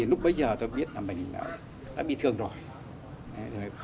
lúc bấy giờ tôi biết là mình đã bị thương rồi